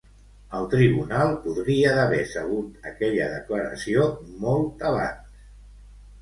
El tribunal podria d'haver sabut aquella declaració molt abans.